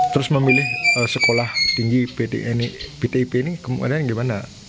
terus memilih sekolah tinggi ptip ini gimana